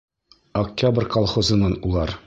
«Октябрь» колхозынан улар.